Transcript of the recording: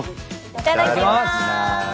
いただきます！